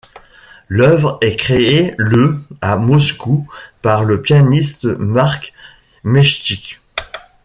L'œuvre est créée le à Moscou par le pianiste Mark Meitschik.